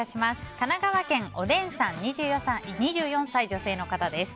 神奈川県の２４歳女性の方です。